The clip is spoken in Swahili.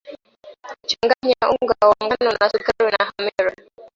changanya unga wa ngano sukari na hamira